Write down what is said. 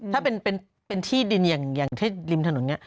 ถ้าเป็นที่ดินอย่างที่ริมถนนเนี่ย